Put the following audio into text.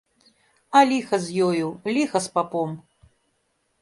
А ліха з ёю, ліха з папом!